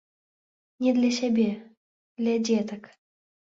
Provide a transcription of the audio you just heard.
Не для сябе, для дзетак.